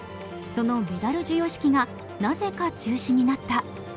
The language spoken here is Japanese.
そのメダル授与式がなぜか中止になった。